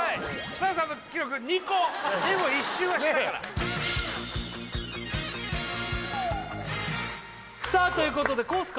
設楽さんの記録２個でも１周はしたからさあということでコース